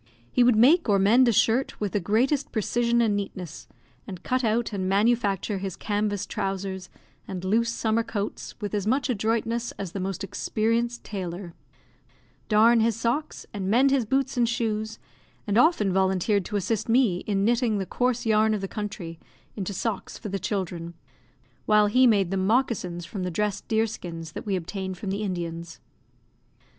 He would make or mend a shirt with the greatest precision and neatness, and cut out and manufacture his canvas trousers and loose summer coats with as much adroitness as the most experienced tailor; darn his socks, and mend his boots and shoes, and often volunteered to assist me in knitting the coarse yarn of the country into socks for the children, while he made them moccasins from the dressed deer skins that we obtained from the Indians.